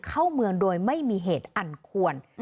เข้าเมืองโดยไม่มีเหตุอันควร